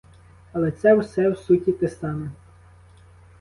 Але це все в суті те саме.